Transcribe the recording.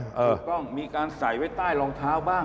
ถูกต้องมีการใส่ไว้ใต้รองเท้าบ้าง